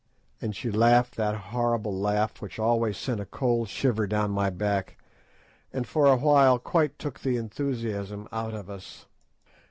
and she laughed that horrible laugh which always sent a cold shiver down my back, and for a while quite took the enthusiasm out of us.